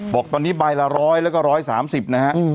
บอกตอนนี้ใบละร้อยแล้วก็ร้อยสามสิบนะฮะ